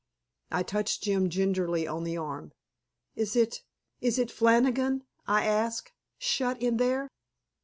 I touched Jim gingerly on the arm. "Is it is it Flannigan," I asked, "shut in there?"